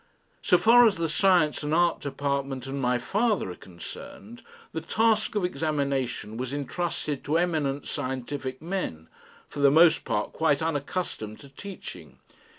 So far as the Science and Art Department and my father are concerned, the task of examination was entrusted to eminent scientific men, for the most part quite unaccustomed to teaching.